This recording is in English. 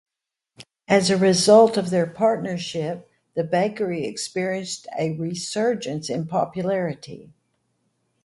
As a result of their partnership, the bakery experienced a resurgence in popularity.